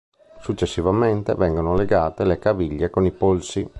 Successivamente vengono legate le caviglie con i polsi.